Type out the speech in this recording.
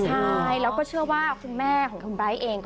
ใช่แล้วก็เชื่อว่าคุณแม่ของคุณไบร์ทเอง